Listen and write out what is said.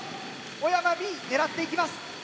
小山Ｂ狙っていきます。